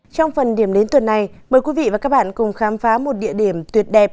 trong phần điểm đến tuần này mời quý vị và các bạn cùng khám phá một địa điểm tuyệt đẹp